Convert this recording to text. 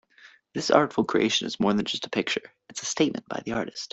This artful creation is more than just a picture, it's a statement by the artist.